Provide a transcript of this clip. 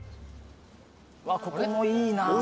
ここもいいな。